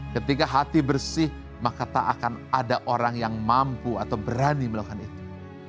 ketika hati bersih maka tak akan ada orang yang mampu atau berani melakukan itu